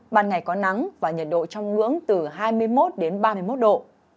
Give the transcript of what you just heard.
ban ngày có nắng và nhiệt độ trong ngưỡng từ hai mươi một đến ba mươi một độ